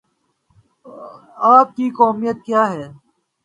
آپ کی قومیت کیا ہے؟